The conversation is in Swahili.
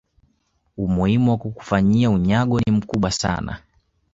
umuhimu wa kukufanyia unyago ni mkubwa sana